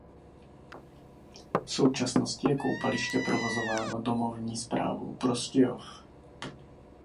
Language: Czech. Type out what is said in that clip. V současnosti je koupaliště provozováno Domovní správou Prostějov.